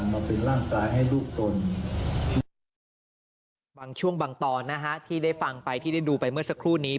บางช่วงบางตอนที่ได้ฟังไปที่ได้ดูไปเมื่อสักครู่นี้